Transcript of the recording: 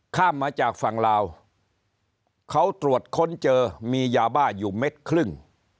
ข้ามมาจากฝั่งลาวเขาตรวจค้นเจอมียาบ้าอยู่เม็ดครึ่ง